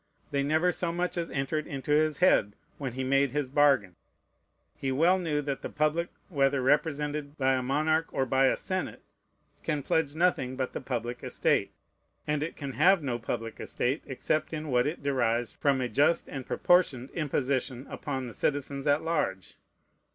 They never so much as entered into his head, when he made his bargain. He well knew that the public, whether represented by a monarch or by a senate, can pledge nothing but the public estate; and it can have no public estate, except in what it derives from a just and proportioned imposition upon the citizens at large.